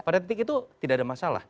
pada titik itu tidak ada masalah